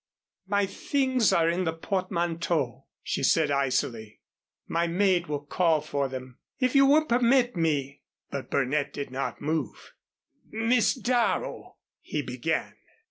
"My things are in the portmanteau," she said, icily. "My maid will call for them. If you will permit me " But Burnett did not move. "Miss Darrow " he began.